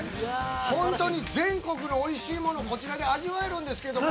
本当に全国のおいしいもの、こちらで味わえるんですけれども。